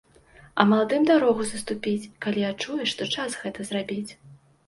А маладым дарогу саступіць, калі адчуе, што час гэта зрабіць.